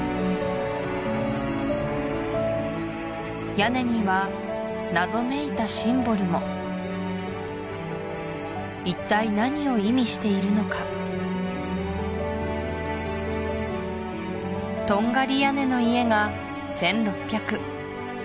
屋根には謎めいたシンボルも一体何を意味しているのかトンガリ屋根の家が１６００